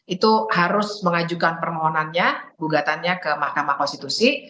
itu harus mengajukan permohonannya gugatannya ke mahkamah konstitusi